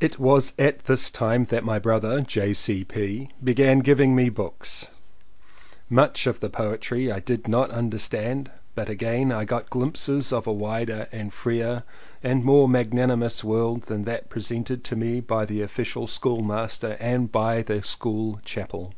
It was at this time that my brother, J. C. P., began giving me books. Much of the poetry I did not understand but again I got glimpses of a wider and freer and more magnanimous world than that presented to me by the official schoolmaster and by the school chapel.